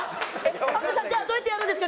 淳さんじゃあどうやってやるんですか？